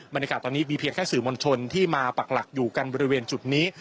บรรยากาศตอนนี้มีเพียงแค่สื่อมวลชนที่มาปักหลักอยู่กันบริเวณจุดนี้